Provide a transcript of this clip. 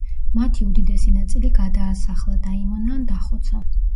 მათი უდიდესი ნაწილი გადაასახლა, დაიმონა ან დახოცა.